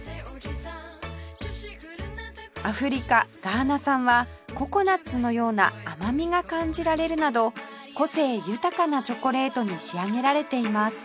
アフリカガーナ産はココナツのような甘みが感じられるなど個性豊かなチョコレートに仕上げられています